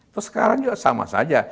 terus sekarang juga sama saja